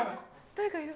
誰かいる！